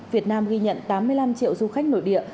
việt nam ghi nhận tám mươi năm triệu du khách nội địa